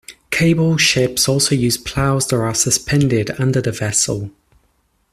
Cable ships also use "plows" that are suspended under the vessel.